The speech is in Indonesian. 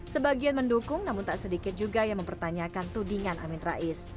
sebagian mendukung namun tak sedikit juga yang mempertanyakan tudingan amin rais